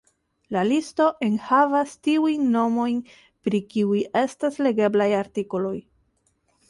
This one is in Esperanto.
La listo enhavas tiujn nomojn, pri kiuj estas legeblaj artikoloj.